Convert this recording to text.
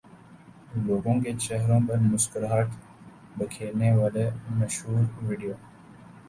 لوگوں کے چہروں پر مسکراہٹ بکھیرنے والی مشہور ویڈیو